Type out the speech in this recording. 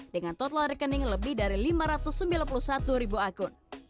dengan total rekening lebih dari lima ratus sembilan puluh satu ribu akun